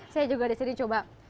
saya juga disini coba